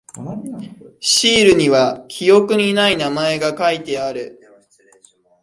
シールには記憶にない名前が書いてある。